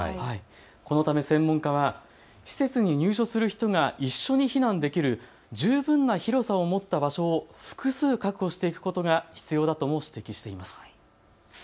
このため専門家は施設に入所する人が一緒に避難できる十分な広さを持った場所を複数確保していくことが必要だとも指摘しています。